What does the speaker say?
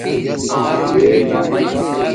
ڈیک